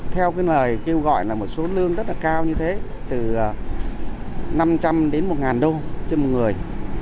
theo cái lời kêu gọi là một số lương rất là cao như thế từ năm trăm linh đến một đô trên một người